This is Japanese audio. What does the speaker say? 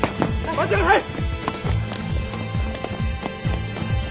待ちなさい！